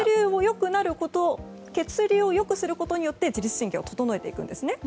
血流をよくすることによって自律神経を整えていくんですね。